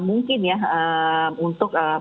mungkin ya untuk